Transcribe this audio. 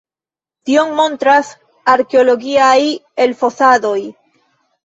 Tion montras arkeologiaj elfosadoj.